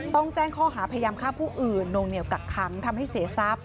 ต้องแจ้งข้อหาพยายามฆ่าผู้อื่นนวงเหนียวกักขังทำให้เสียทรัพย